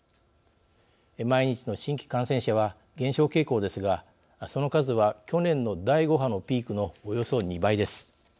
毎日の新規感染者は減少傾向ですがその数は、去年の第５波のピークのおよそ２倍です。